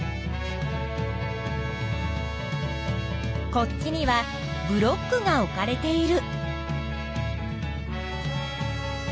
こっちにはブロックが置かれている。